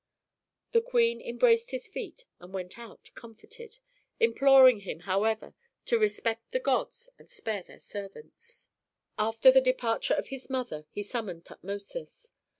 The queen embraced his feet and went out comforted, imploring him, however, to respect the gods and spare their servants. After the departure of his mother he summoned Tutmosis.